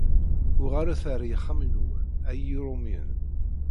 Uɣalet ar yexxamen-nwen a yirumyen!